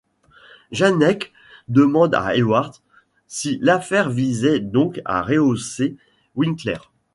Janek demande à Edwards si l'affaire visait donc à rehausser Winkler.